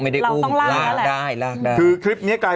สุดท้ายสุดท้าย